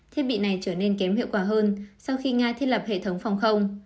thiết bị này trở nên kém hiệu quả hơn sau khi nga thiết lập hệ thống phòng không